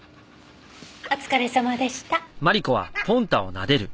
お疲れさまでした。